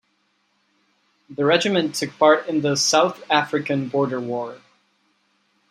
The Regiment took part in the South African Border War.